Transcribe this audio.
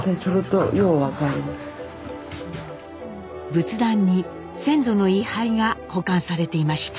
仏壇に先祖の位牌が保管されていました。